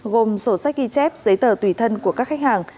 gồm sổ sách ghi chép giấy tờ tùy thân của các khách hàng